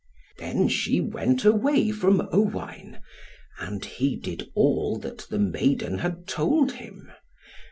Then she went away from Owain, and he did all that the maiden had told him.